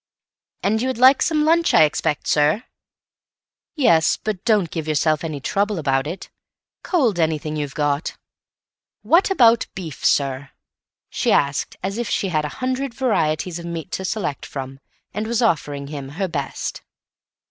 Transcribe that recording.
"And you would like some lunch, I expect, sir." "Yes, but don't give yourself any trouble about it. Cold anything you've got." "What about beef, sir?" she asked, as if she had a hundred varieties of meat to select from, and was offering him her best.